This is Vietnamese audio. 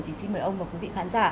thì xin mời ông và quý vị khán giả